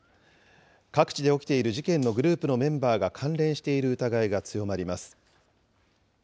各地で起きている事件のグループのメンバーが関連している疑いが強まります。